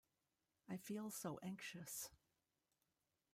I feel so anxious.